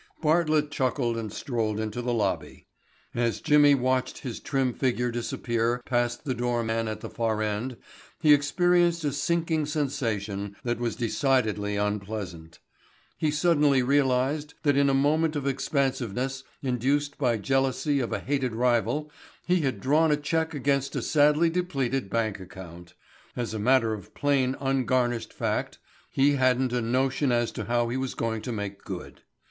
Bartlett chuckled and strolled into the lobby. As Jimmy watched his trim figure disappear past the door man at the far end he experienced a sinking sensation that was decidedly unpleasant. He suddenly realized that in a moment of expansiveness induced by jealousy of a hated rival he had drawn a check against a sadly depleted bank account. As a matter of plain, ungarnished fact he hadn't a notion as to how he was going to make good.